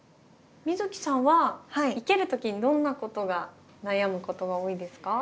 美月さんは生ける時にどんなことが悩むことが多いですか？